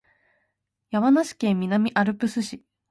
山梨県南アルプス市